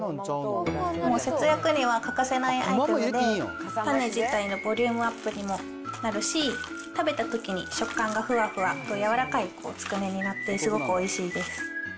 節約には欠かせないアイテムで、たね自体のボリュームアップにもなるし、食べたときに食感がふわふわ、柔らかいつくねになって、すごくおいしいです。